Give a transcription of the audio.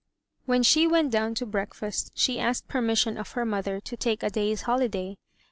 When she went down to breakfast she asked permission of her mother to take a day's holiday.